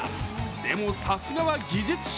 でも、さすがは技術者。